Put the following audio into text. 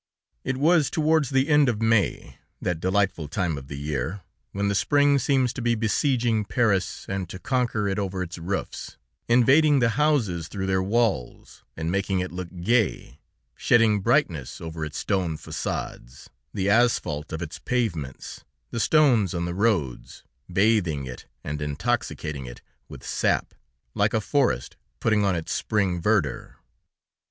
It was towards the end of May, that delightful time of the year, when the spring seems to be besieging Paris, and to conquer it over its roofs, invading the houses through their walls, and making it look gay, shedding brightness over its stone façades, the asphalt of its pavements, the stones on the roads, bathing it and intoxicating it with sap, like a forest putting on its spring verdure.